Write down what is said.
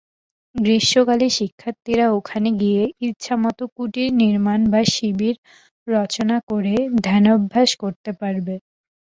গ্রীষ্মকালে শিক্ষার্থীরা ওখানে গিয়ে ইচ্ছামত কুটীর নির্মাণ বা শিবির রচনা করে ধ্যানাভ্যাস করতে পারবে।